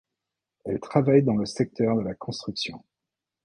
Elle travaille dans le secteur de la construction.